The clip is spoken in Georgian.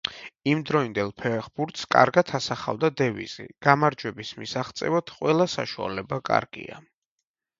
იმდროინდელ ფეხბურთს კარგად ასახავდა დევიზი: „გამარჯვების მისაღწევად ყველა საშუალება კარგია“.